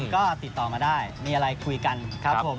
ก็ติดต่อมาได้มีอะไรคุยกันครับผม